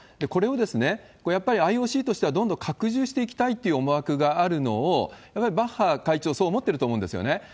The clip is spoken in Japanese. これをやっぱりＩＯＣとしてはどんどん拡充していきたいっていう思惑があるのを、やはりバッハ会長、そう思ってると思うんですよね。